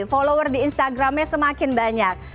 follower di instagramnya semakin banyak